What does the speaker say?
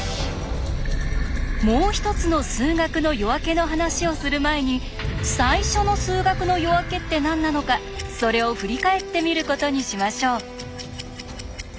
「もう一つの数学の夜明け」の話をする前に「最初の数学の夜明け」って何なのかそれを振り返ってみることにしましょう。